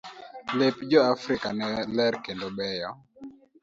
Lep jo Afrika ne ler kendo beyo.